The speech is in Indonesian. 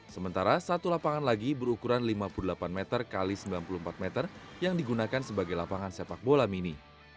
sementara satu lapangan lagi berukuran lima puluh delapan meter x sembilan puluh empat meter yang digunakan sebagai lapangan sepak bola mini